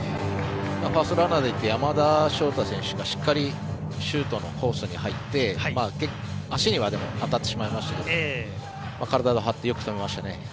山田翔太選手がしっかりシュートのコースに入って足には当たってしまいましたが体を張ってよく止めましたね。